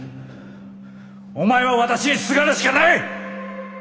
お前は私にすがるしかない！